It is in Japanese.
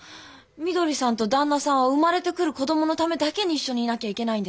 みどりさんと旦那さんは生まれてくる子供のためだけに一緒にいなきゃいけないんですか？